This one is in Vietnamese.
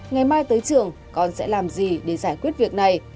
ngày mai tới trường con sẽ làm gì để giải quyết việc này